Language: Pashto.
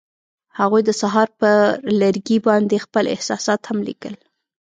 هغوی د سهار پر لرګي باندې خپل احساسات هم لیکل.